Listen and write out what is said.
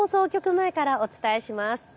前からお伝えします。